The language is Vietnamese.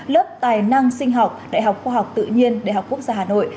lớp tài năng sinh học đại học khoa học tự nhiên đại học quốc gia hà nội